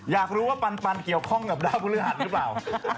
อยากรู้ว่าปันเกี่ยวข้องกับดาวพฤหัสหรือเปล่า